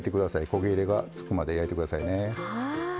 焦げ目がつくまで焼いて下さいね。